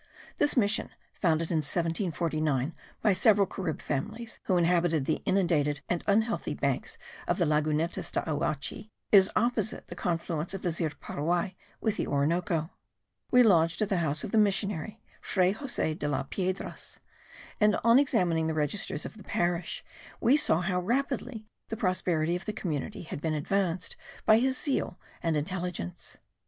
This mission, founded in 1749 by several Carib families who inhabited the inundated and unhealthy banks of the Lagunetas de Auache, is opposite the confluence of the Zir Puruay with the Orinoco. We lodged at the house of the missionary, Fray Jose de las Piedras; and, on examining the registers of the parish, we saw how rapidly the prosperity of the community has been advanced by his zeal and intelligence.